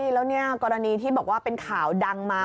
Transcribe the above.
แล้วกรณีที่บอกว่าเป็นข่าวดังมา